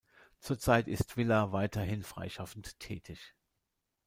Zurzeit ist Villa weiterhin freischaffend tätig.